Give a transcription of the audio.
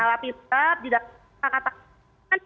alapin tetap tidak ada pakatan